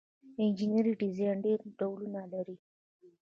انجنیری ډیزاین ډیر ډولونه لري.